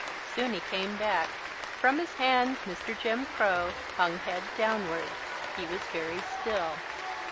Soon he came back. From his hand Mr. Jim Crow hung head downward. He was very still.